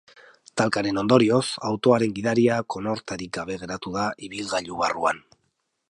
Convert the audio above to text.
Talkaren ondorioz, autoaren gidaria konorterik gabe geratu da ibilgailu barruan.